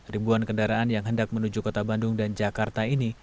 ribuan kendaraan yang hendak menuju kota bandung dan jakarta ini